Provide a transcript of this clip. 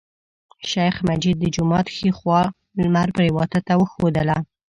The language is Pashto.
شیخ مجید د جومات ښی خوا لمر پریواته ته وښودله.